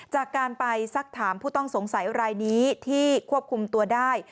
จากการไปสักถามผู้ต้องสงสัยรายนี้ที่ควบคุมตัวได้